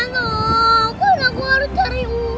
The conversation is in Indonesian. jangan dong karena aku harus cari uang